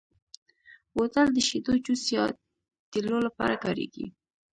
بوتل د شیدو، جوس، یا تېلو لپاره کارېږي.